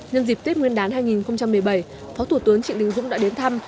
nhân dịp tết nguyên đán hai nghìn một mươi bảy phó thủ tướng trịnh đình dũng đã đến thăm